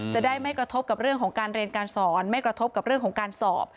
จะได้ไม่กระทบกับเรื่องของการเรียนการสอนไม่กระทบกับเรื่องของการสอบ